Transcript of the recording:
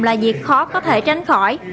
là việc khó có thể tránh khỏi